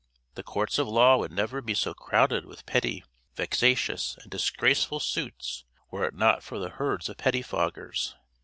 The courts of law would never be so crowded with petty, vexatious, and disgraceful suits were it not for the herds of pettifoggers.